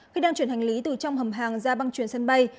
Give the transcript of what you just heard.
khi đang chuyển hành lý từ trong hầm hàng ra băng chuyển sân bay